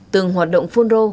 từng hoạt động phun rô